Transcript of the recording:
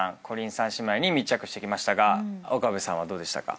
姉妹に密着してきましたが岡部さんはどうでしたか？